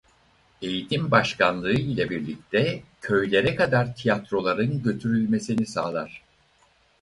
Eğitim Başkanlığı ile birlikte köylere kadar tiyatroların götürülmesini sağlar.